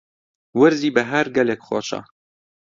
وەرزی بەهار گەلێک خۆشە.